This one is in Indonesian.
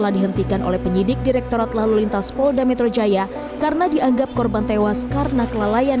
bahwa menurut kami yang krusial adalah bahwa dari fakta dokumen dokumen dari kepolisian